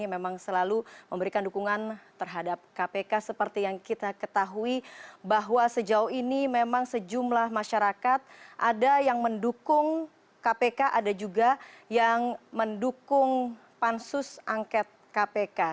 itu kan sudah disepakati oleh pimpinan semua pimpinan kpk